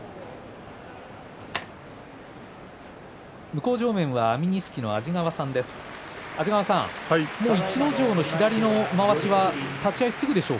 向正面は安美錦の安治川さんです。